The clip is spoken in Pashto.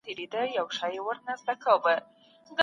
دلارام اوس مهال ډېر زیات نفوس او اوسېدونکي لري.